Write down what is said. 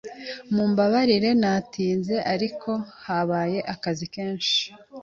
Mumbabarire natinze, ariko habaye akazi kenshi